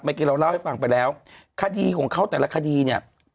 เราเล่าให้ฟังไปแล้วคดีของเขาแต่ละคดีเนี่ย